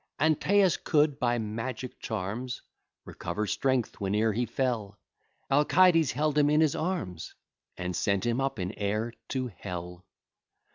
Antæus could, by magic charms, Recover strength whene'er he fell; Alcides held him in his arms, And sent him up in air to Hell.